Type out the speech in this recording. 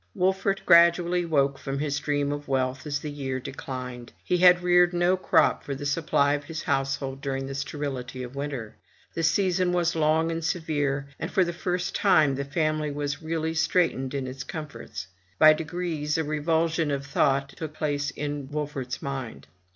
Wolfert gradually woke from his dream of wealth as the year declined. He had reared no crop for the supply of his household during the sterility of winter. The season was long and severe, and for the first time the family was really straitened in its com forts. By degrees a revulsion of thought took place in Wolfert's mind.